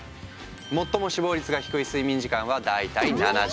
最も死亡率が低い睡眠時間は大体７時間。